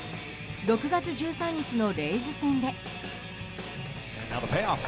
６月１３日のレイズ戦で。